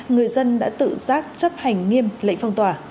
người dân đã tự giác chấp hành nghiêm lệnh phong tỏa